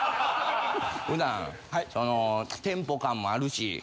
普段そのテンポ感もあるし。